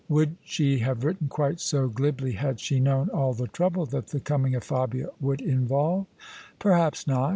Would she have written quite so glibly had she known all the trouble that the coming of Fabia would involve? Perhaps not.